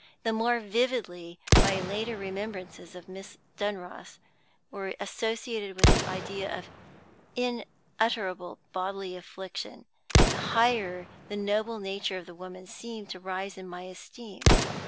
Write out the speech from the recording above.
The more vividly my later remembrances of Miss Dunross were associated with the idea of an unutterable bodily affliction, the higher the noble nature of the woman seemed to rise in my esteem.